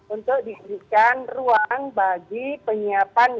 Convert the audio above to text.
untuk dijadikan ruang bagi penyiapan